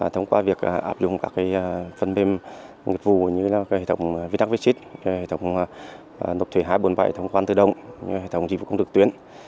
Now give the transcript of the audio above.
thông qua việc áp dụng các phần mềm nghiệp vụ như hệ thống viết đắc viết xít hệ thống nộp thuế hai trăm bốn mươi bảy hệ thống khoan tự động hệ thống dịch vụ công lực tuyến